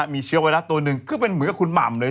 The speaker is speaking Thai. มีเชื้อไวรัสตัวหนึ่งคือเป็นเหมือนกับคุณหม่ำเลย